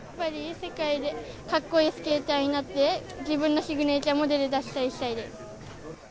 世界でカッコいいスケーターになって自分のシグネチャーモデルを出したいです。